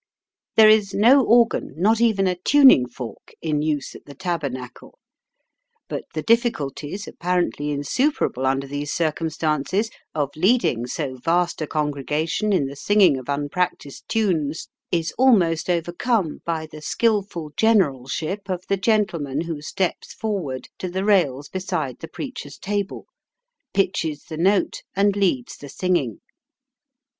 There is no organ, nor even a tuning fork, in use at the Tabernacle. But the difficulties, apparently insuperable under these circumstances, of leading so vast a congregation in the singing of unpractised tunes is almost overcome by the skilful generalship of the gentleman who steps forward to the rails beside the preacher's table, pitches the note, and leads the singing.